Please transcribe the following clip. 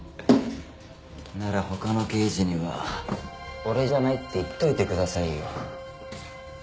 なら他の刑事には俺じゃないって言っておいてくださいよ。